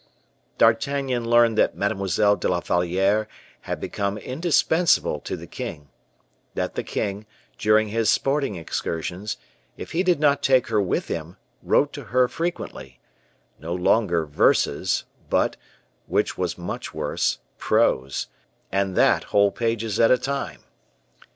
D'Artagnan learned that Mademoiselle de la Valliere had become indispensable to the king; that the king, during his sporting excursions, if he did not take her with him, wrote to her frequently, no longer verses, but, which was much worse, prose, and that whole pages at a time.